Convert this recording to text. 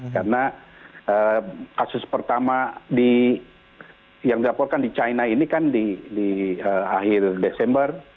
karena kasus pertama yang diaporkan di china ini kan di akhir desember